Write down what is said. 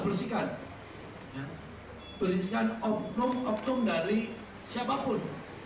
bersihkan obtum obtum dari siapapun